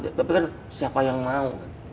tapi kan siapa yang mau